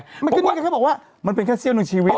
เหมือนกันเลยเค้าบอกว่ามันเป็นแค่เซี่ยวหนึ่งชีวิต